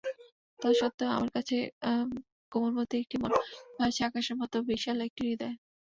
তৎসত্ত্বেও আমার আছে কোমলমতি একটি মন, রয়েছে আকাশের মতো বিশাল একটি হৃদয়।